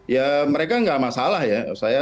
ya mereka tidak masalah ya saya